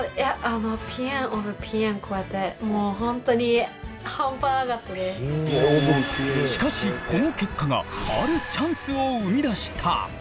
もう本当しかしこの結果があるチャンスを生み出した！